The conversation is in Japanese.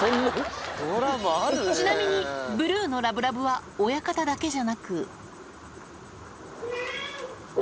ちなみに、ブルーのラブラブは親方だけじゃなく。